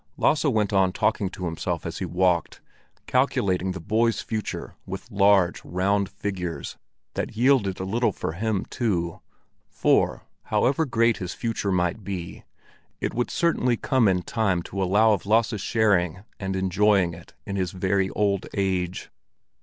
Lasse went on talking to himself as he walked, calculating the boy's future with large, round figures, that yielded a little for him too; for, however great his future might be, it would surely come in time to allow of Lasse's sharing and enjoying it in his very old age.